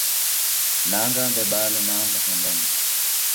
نان٘گاں دے ٻال نان٘گ ہون٘دن